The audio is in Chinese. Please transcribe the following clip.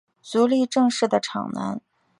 足利政氏的长男。